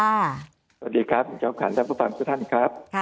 สวัสดีครับคณะแพทยศาสตร์ขอบคุณผู้ชมค่ะ